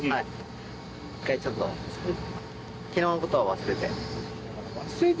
一回ちょっと、きのうのことは忘れて。